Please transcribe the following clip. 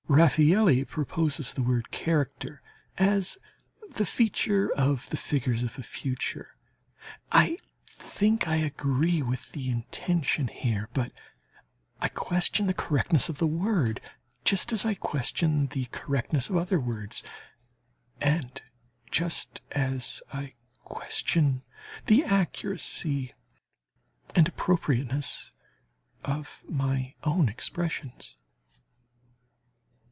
Raffaëlli proposes the word "character" as the feature of the figures of the future. I think I agree with the intention here, but I question the correctness of the word, just as I question the correctness of other words, and just as I question the accuracy and appropriateness of my own expressions.